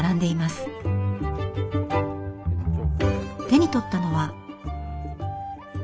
手に取ったのは。